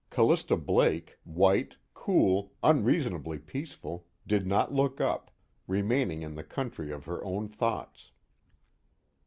Callista Blake white, cool, unreasonably peaceful did not look up, remaining in the country of her own thoughts.